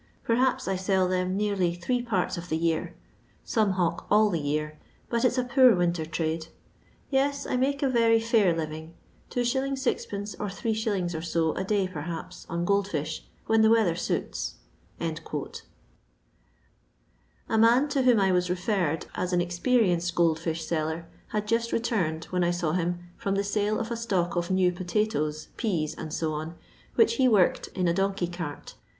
Perhaps I sell them nearly .three parts of the year. Some hawk all the year, but it 's a poor winter trade. Tes, I make a very fiiir living ; 2r. 6d. or 8«. or so, a day, perhaps, on gold fish, when the weather suits." A man, to whom I was referred as an expe rienced gold fish seller, had just returned, when I saw him, from the sale of a stock of new potatoes, peas, &c, which he worked" in a donkey cart.